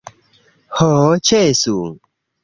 Ho, ĉesu!